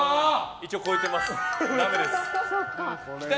一応超えてます。